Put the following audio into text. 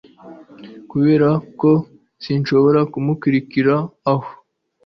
kuberako sinshobora kumukurikira aho